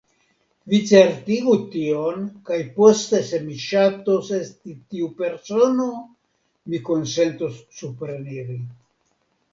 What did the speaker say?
Vi certigu tion, kaj poste, se mi ŝatos esti tiu persono, mi konsentos supreniri.